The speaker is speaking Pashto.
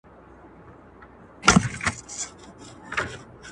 افغان ډياسپورا د افغاني او کوربه ټولنو